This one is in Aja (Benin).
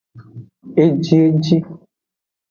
Ejieji.